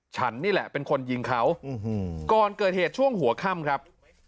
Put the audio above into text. ฉันนี่แหละเป็นคนยิงเขาก่อนเกิดเหตุช่วงหัวค่ำครับ